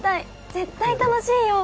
絶対楽しいよ。